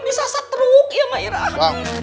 bisa satu ruk ya mairah